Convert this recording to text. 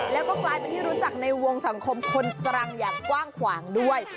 แล้วก็กลายเป็นที่รู้จักในวงสังคมคนตรังอย่างกว้างขวางด้วย